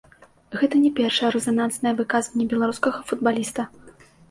Гэта не першае рэзананснае выказванне беларускага футбаліста.